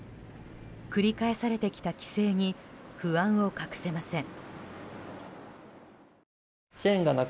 繰り返されてきた規制に不安を隠せません。